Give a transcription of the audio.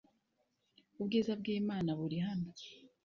ubwiza bw’Imana buri hano